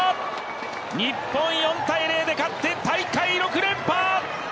日本、４−０で勝って大会６連覇！